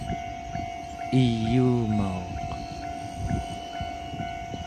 eyuumauq